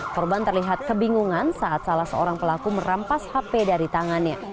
korban terlihat kebingungan saat salah seorang pelaku merampas hp dari tangannya